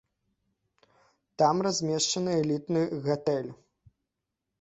Там размешчаны элітны гатэль.